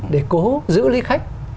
để cố giữ lý khách